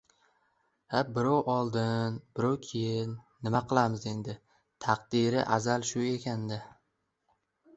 Ha, birov oldin, birov keyin, nima qilamiz endi, taqdiri azal shu ekan-da.